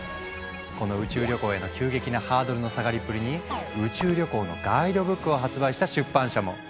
この宇宙旅行への急激なハードルの下がりっぷりに宇宙旅行のガイドブックを発売した出版社も！